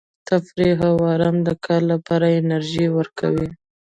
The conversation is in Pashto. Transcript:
تفریح او ارام د کار لپاره انرژي ورکوي.